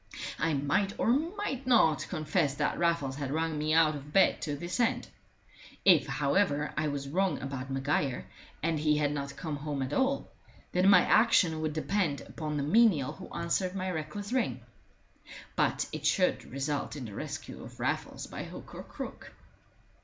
I might or might not confess that Raffles had rung me out of bed to this end. If, however, I was wrong about Maguire, and he had not come home at all, then my action would depend upon the menial who answered my reckless ring. But it should result in the rescue of Raffles by hook or crook.